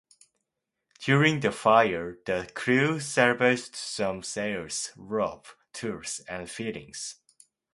During the fire, the crew salvaged some sails, rope, tools and fittings.